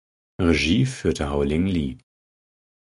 Regie führte Haoling Li.